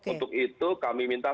untuk itu kami minta